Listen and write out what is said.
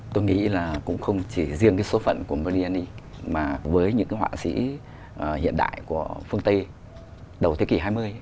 tôi nghĩ là cũng không chỉ riêng số phận của mariani mà với những họa sĩ hiện đại của phương tây đầu thế kỷ hai mươi